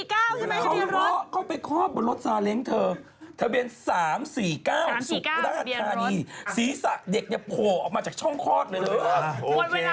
เขาระเข้าไปครอบบนรถสาเหลงเธอทะเบียน๓๔๙สุขธารีย์ศีรษะเด็กยะโผ่ออกมาจากช่องครอบเลยเลยครับ